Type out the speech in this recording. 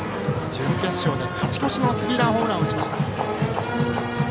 準決勝で勝ち越しのスリーランホームラン打ちました。